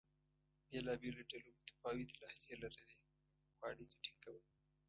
بېلابېلو ډلو متفاوتې لهجې لرلې؛ خو اړیکه ټینګه وه.